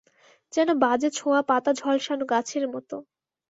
যেন বাজে-ছোঁওয়া পাতা-ঝলসানো গাছের মতো।